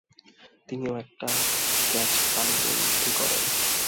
তিনি ও একটি ক্যাচ তালুবন্দী করেন।